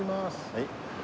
はい。